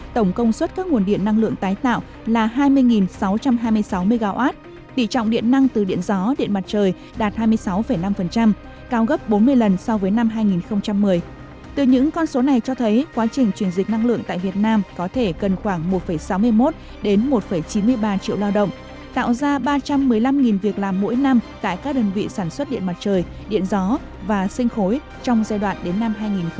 từ những con số này cho thấy quá trình truyền dịch năng lượng tại việt nam có thể cần khoảng một sáu mươi một đến một chín mươi ba triệu lao động tạo ra ba trăm một mươi năm việc làm mỗi năm tại các đơn vị sản xuất điện mặt trời điện gió và sinh khối trong giai đoạn đến năm hai nghìn ba mươi